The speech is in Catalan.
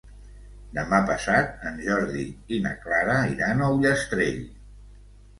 Demà passat en Jordi i na Clara iran a Ullastrell.